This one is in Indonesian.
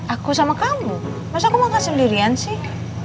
aku sama kamu masa aku mau kasih lirian sih